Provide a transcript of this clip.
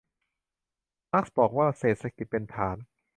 มาร์กซ์บอกว่าเศรษฐกิจเป็นฐาน